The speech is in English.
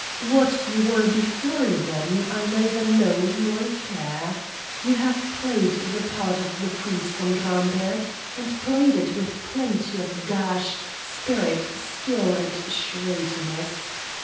What you were before then I neither know nor care. You have played the part of the Prince von Gramberg, and played it with plenty of dash, spirit, skill, and shrewdness.